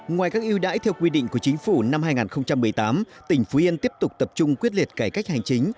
ngoài các yêu đãi theo quy định của chính phủ năm hai nghìn một mươi tám tỉnh phú yên tiếp tục tập trung quyết liệt cải cách hành chính